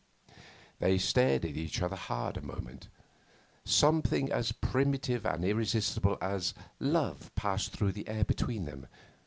They stared at each other hard a moment. Something as primitive and irresistible as love passed through the air between them.